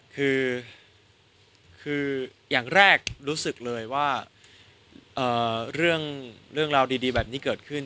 คืออย่างแรกรู้สึกเลยว่าเรื่องราวดีแบบนี้เกิดขึ้น